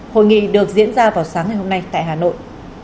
hội nghị được diễn ra vào sáng ngày hôm nay tại hà nội